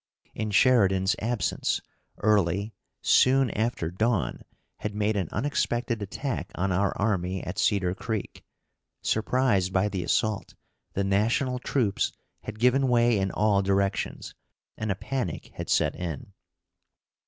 In Sheridan's absence, Early, soon after dawn, had made an unexpected attack on our army at Cedar Creek. Surprised by the assault, the national troops had given way in all directions, and a panic had set in.